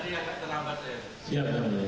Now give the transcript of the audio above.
tadi agak terlambat ya